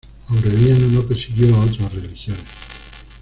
Aureliano no persiguió a otras religiones.